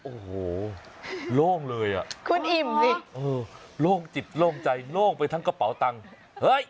โอ้โหโล่งเลยอ่ะคุณอิ่มดิเออโล่งจิตโล่งใจโล่งไปทั้งกระเป๋าตังค์เฮ้ย